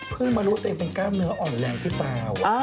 เพิ่งมารู้เต้นเป็นกามเนื้ออ่อนแรงที่เปล่า